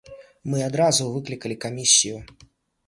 Мы адразу выклікалі камісію.